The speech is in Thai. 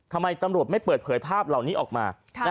ทำไมตำรวจไม่เปิดเผยภาพเหล่านี้ออกมา